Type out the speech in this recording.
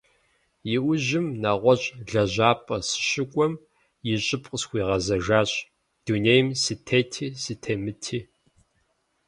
Иужьым, нэгъуэщӀ лэжьапӀэ сыщыкӀуэм, и щӀыб къысхуигъэзэжащ - дунейм сытети сытемыти.